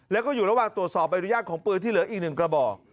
แล้วก็อยู่ระหว่างตรวจสอบอนุญาตของปืนที่เหลืออีก๑กระบอก